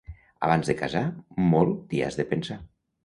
Abans de casar, molt t'hi has de pensar.